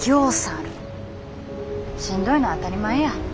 しんどいのは当たり前や。